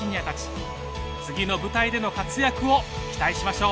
次の舞台での活躍を期待しましょう。